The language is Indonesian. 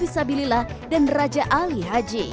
sabilillah dan raja ali haji